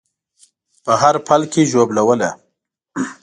په هر پل کې ژوبلوله